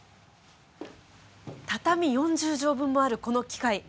畳４０畳分もあるこの機械。